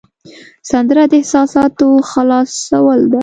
سندره د احساساتو خلاصول ده